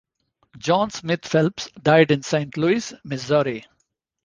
John Smith Phelps died in Saint Louis, Missouri.